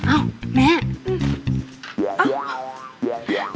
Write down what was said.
อ้าวแม่